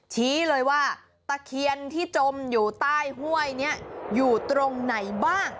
ชี้เลยว่าตะเคียนที่จมอยู่ใต้ห้วยนี้อยู่ตรงไหนบ้าง